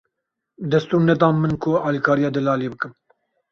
Destûr nedan min ku alikariya Delalê bikim.